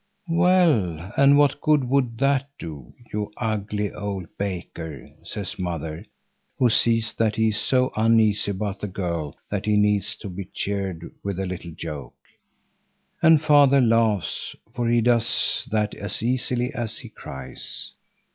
"Well, and what good would that do, you ugly old baker!" says mother, who sees that he is so uneasy about the girl that he needs to be cheered with a little joke. And father laughs, for he does that as easily as he cries.